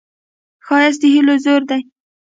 ښایست د هیلو زور دی